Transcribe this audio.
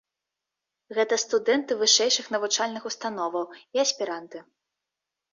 Гэта студэнты вышэйшых навучальных установаў і аспіранты.